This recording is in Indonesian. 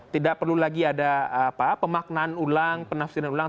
tidak perlu lagi ada pemaknaan ulang penafsiran ulang